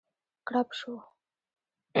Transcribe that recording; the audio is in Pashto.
کړپ شو.